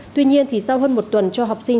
tuy nhiên thì sau hơn một tuần cho học sinh